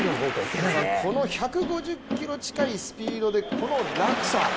この１５０キロ近いスピードでこの落差。